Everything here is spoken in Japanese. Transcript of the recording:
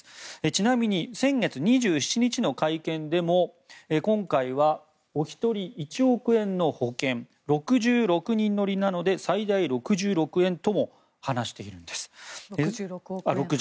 ちなみに先月２７日の会見でも今回はお一人１億円の保険６６人乗りなので最大６６億円とも話しているわけです。